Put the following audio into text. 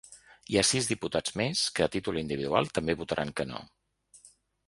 Hi ha sis diputats més que, a títol individual, també votaran que no.